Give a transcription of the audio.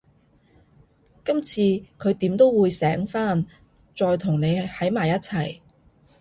今次佢點都會醒返，再同你喺埋一齊